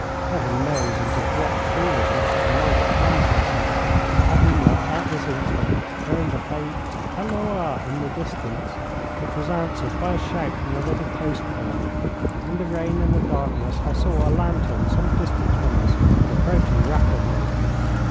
Heaven knows into what foolishness I might have plunged myself had we not, at this instant, heard a faint halloa in the distance, which was answered by a shout from the little post boy. In the rain and the darkness, I saw a lantern some distance from us, but approaching rapidly.